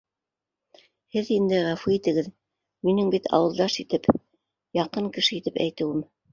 Һеҙ инде ғәфү итегеҙ, минең бит ауылдаш итеп, яҡын кеше итеп әйтеүем...